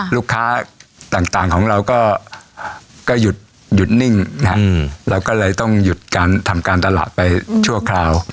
ลูกค้าต่างของเราก็หยุดนิ่งนะฮะเราก็เลยต้องหยุดการทำการตลาดไปชั่วคราว